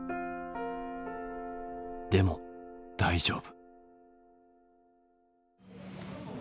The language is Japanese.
でも大丈夫。